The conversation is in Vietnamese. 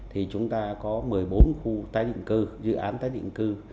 thì chúng ta có một mươi bốn khu tái định cư dự án tái định cư